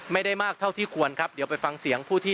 ไม่ได้มากเท่าที่ควรครับเดี๋ยวไปฟังเสียงผู้ที่